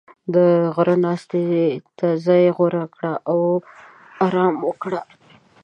• د غره ناستې ته ځای غوره کړه او آرام وکړه.